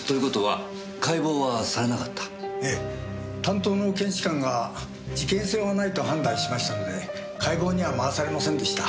担当の検視官が事件性はないと判断しましたので解剖には回されませんでした。